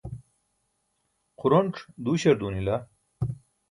xuronc̣ duuśar duunila